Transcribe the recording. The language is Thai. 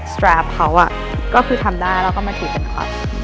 ตราฟเขาก็คือทำได้แล้วก็มาถูกกันครับ